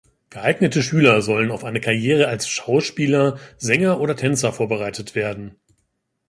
Geeignete Schüler sollen auf eine Karriere als Schauspieler, Sänger oder Tänzer vorbereitet werden.